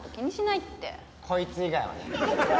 こいつ以外はね。